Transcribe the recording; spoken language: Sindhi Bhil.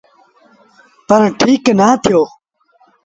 پر ٺيٚڪ نآ ٿئي۔